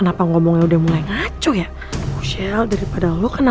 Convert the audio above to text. jalan kok gak bisa gue udah kerja